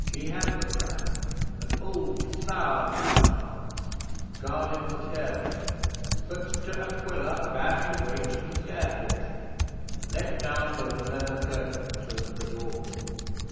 Jehan the Crab, an old sour man at arms, guarded the stairway, but De Aquila bade him wait at the stair foot, and let down both leather curtains over the door.